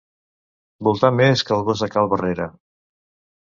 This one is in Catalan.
Voltar més que el gos de cal Barrera.